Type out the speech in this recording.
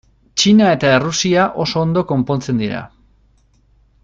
Txina eta Errusia oso ondo konpontzen dira.